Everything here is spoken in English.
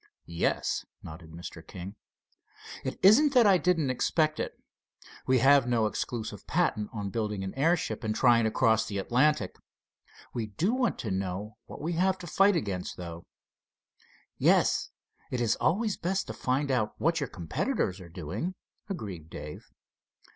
"Yes," nodded Mr. King. "It isn't that I didn't expect it. We have no exclusive patent on building an airship and trying to cross the Atlantic. We do want to know what we have to fight against, though." "Yes, it is always best to find out what your competitors are doing," agreed Dave.